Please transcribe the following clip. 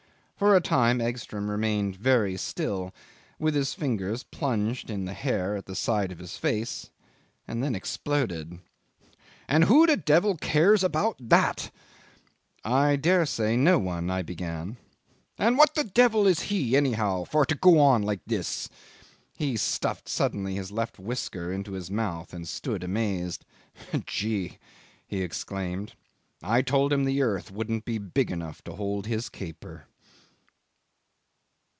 For a time Egstrom remained very still, with his fingers plunged in the hair at the side of his face, and then exploded. "And who the devil cares about that?" "I daresay no one," I began ... "And what the devil is he anyhow for to go on like this?" He stuffed suddenly his left whisker into his mouth and stood amazed. "Jee!" he exclaimed, "I told him the earth wouldn't be big enough to hold his caper."